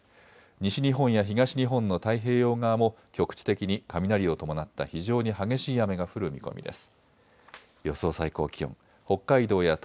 西日本や東日本の太平洋側も局地的に雷を伴った非常に激しい雨が降る見込みです。